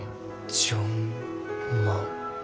「ジョン・マン」。